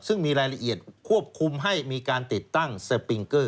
ซึ่งมีรายละเอียดควบคุมให้มีการติดตั้งสปิงเกอร์